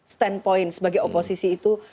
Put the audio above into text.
standpoint sebagai oposisi itu